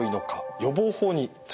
予防法についてです。